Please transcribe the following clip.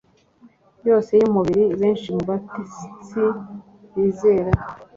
yose y’umubiri. Benshi mu batetsi bizera